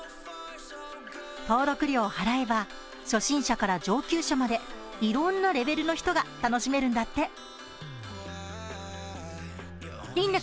登録料を払えば初心者から上級者までいろんなレベルの人が楽しめるんだって。